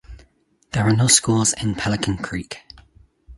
There are no schools in Pelican Creek.